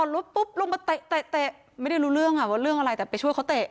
ลุกปุ๊บลงมาเตะไม่ได้รู้เรื่องอ่ะว่าเรื่องอะไรแต่ไปช่วยเขาเตะ